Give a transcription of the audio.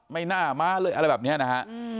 ไม่น่าม้าเลยอะไรแบบนี้นะฮะ